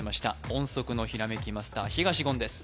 音速のひらめきマスター東言です